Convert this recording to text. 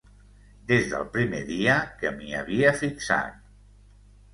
Des del primer dia que m'hi havia fixat...